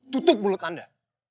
tutup mulut anda